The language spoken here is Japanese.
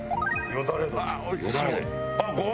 よだれ。